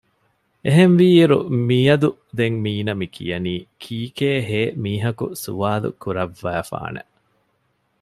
އެހެންވީ އިރު މިއަދު ދެން މީނަ މި ކިޔަނީ ކީކޭހޭ މީހަކު ސުވާލުކުރައްވައިފާނެ